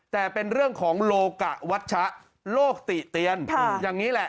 แต่เป็นเรื่องของโลกะวัชชะโลกติเตียนอย่างนี้แหละ